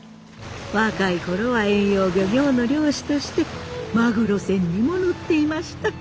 若い頃は遠洋漁業の漁師としてマグロ船にも乗っていました。